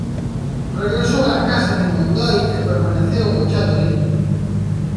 Regresou á casa de Mondoi e permaneceu agochado alí.